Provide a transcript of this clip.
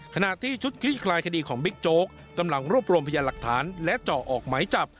ขณะที่ชุดคลี่คลายคดีของบิ๊กโจ๊กกำลังรวบรวมพยานหลักฐานและเจาะออกหมายจับ